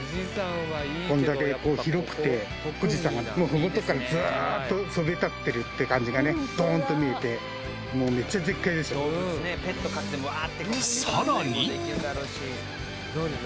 こんだけこう広くて富士山が麓からずーっとそびえ立ってるって感じがねドーンと見えてもうめっちゃ絶景ですよ